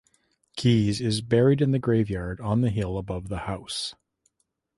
Keys is buried in the graveyard on the hill above the house.